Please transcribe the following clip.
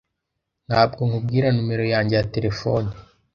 Ntabwo nkubwira numero yanjye ya terefone.